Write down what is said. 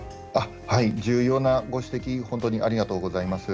重要なご指摘ありがとうございます。